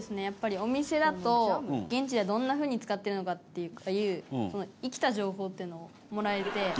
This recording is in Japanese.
やっぱりお店だと現地でどんな風に使ってるのかっていう生きた情報っていうのをもらえて。